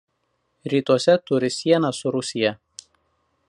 Rytuose turi sieną su Rusija.